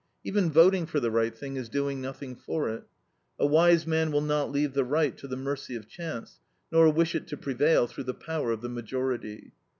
Even voting for the right thing is doing nothing for it. A wise man will not leave the right to the mercy of chance, nor wish it to prevail through the power of the majority."